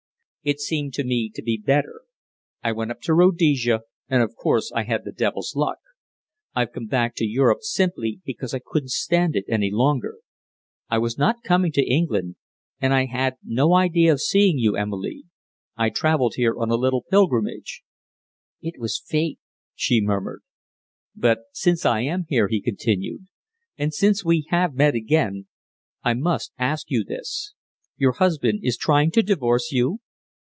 It seemed to me to be better. I went up to Rhodesia, and of course I had the devil's luck. I've come back to Europe simply because I couldn't stand it any longer. I was not coming to England, and I had no idea of seeing you, Emilie! I travelled here on a little pilgrimage." "It was fate," she murmured. "But since I am here," he continued, "and since we have met again, I must ask you this. Your husband is trying to divorce you?"